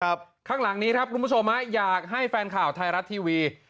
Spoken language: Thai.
ข้างหลังนี้ครับคุณผู้ชมฮะอยากให้แฟนข่าวไทยรัฐทีวี